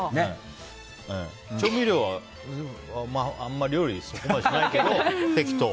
調味料は、あんまり料理そこまでしないけど適当。